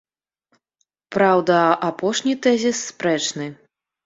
Праўда, апошні тэзіс спрэчны.